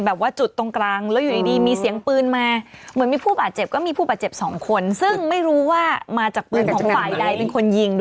พรุ่งนี้ไปถ่ายรายการที่ลำปาก